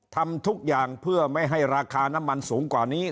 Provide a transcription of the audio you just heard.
ทำทุกอย่างเพื่อไม่ให้ราคาน้ำมันสูงกว่านี้